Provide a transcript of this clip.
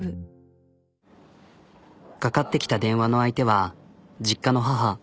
かかってきた電話の相手は実家の母。